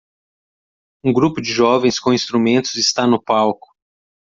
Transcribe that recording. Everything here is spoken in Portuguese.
Um grupo de jovens com instrumentos está no palco.